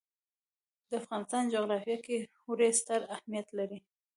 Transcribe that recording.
د افغانستان جغرافیه کې اوړي ستر اهمیت لري.